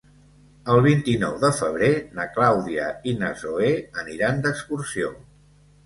El vint-i-nou de febrer na Clàudia i na Zoè aniran d'excursió.